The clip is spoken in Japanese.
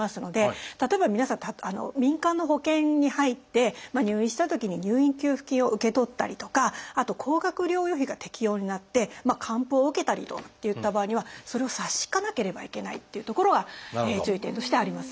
例えば皆さん民間の保険に入って入院したときに入院給付金を受け取ったりとかあと高額療養費が適用になって還付を受けたりといった場合にはそれを差し引かなければいけないっていうところが注意点としてあります。